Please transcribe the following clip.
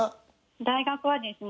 大学はですね